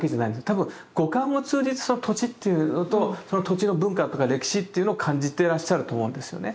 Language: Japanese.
多分五感を通じてその土地っていうのとその土地の文化とか歴史っていうのを感じてらっしゃると思うんですよね。